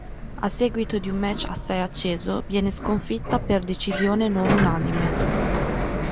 A seguito di un match assai acceso viene sconfitta per decisione non unanime.